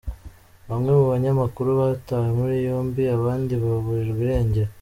Bamwe mu banyamakuru batawe muri yombi abandi baburirwa irengero.